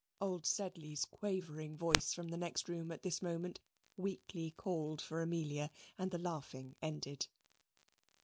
Old Sedley's quavering voice from the next room at this moment weakly called for Amelia, and the laughing ended.